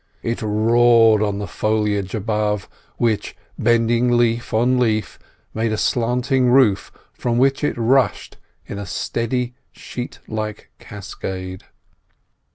It roared on the foliage above, which, bending leaf on leaf, made a slanting roof from which it rushed in a steady sheet like cascade.